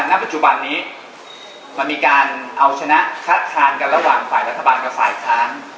ณปัจจุบันนี้มันมีการเอาชนะคัดทานกันระหว่างฝ่ายรัฐบาลกับฝ่ายค้าน